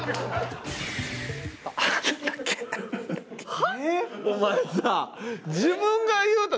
はっ？お前さ。